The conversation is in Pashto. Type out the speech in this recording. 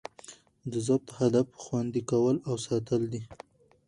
د ضبط هدف؛ خوندي کول او ساتل دي.